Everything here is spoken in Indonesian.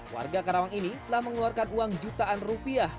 warga karawang ini telah mengeluarkan uang jutaan rupiah